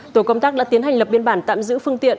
tổ công tác đã tiến hành lập biên bản tạm giữ phương tiện